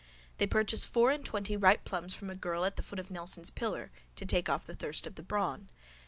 They purchase four and twenty ripe plums from a girl at the foot of Nelson's pillar to take off the thirst of the brawn.